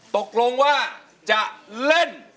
ตกลงว่าจะเล่น